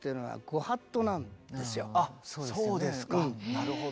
なるほど。